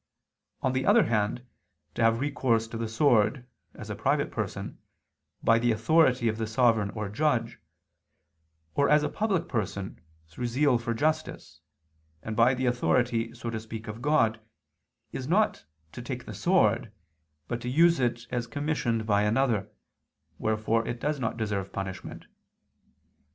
On the other hand, to have recourse to the sword (as a private person) by the authority of the sovereign or judge, or (as a public person) through zeal for justice, and by the authority, so to speak, of God, is not to "take the sword," but to use it as commissioned by another, wherefore it does not deserve punishment.